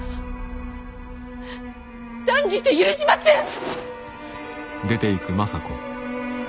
断じて許しません！